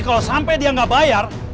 kalau sampai dia nggak bayar